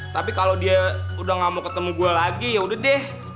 tapi kalau dia udah gak mau ketemu gue lagi yaudah deh